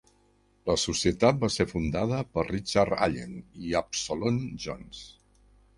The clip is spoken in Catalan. La Societat va ser fundada per Richard Allen i Absalom Jones.